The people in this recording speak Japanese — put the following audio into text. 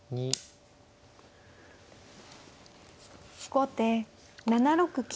後手７六金。